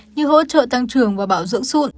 như hỗ trợ tăng trưởng và bảo dưỡng sụn